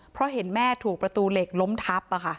เพราะเห็นแม่ถูกประตูเหล็กล้มทับ